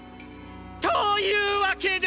というわけで！